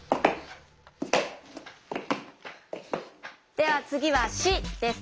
ではつぎは「し」です。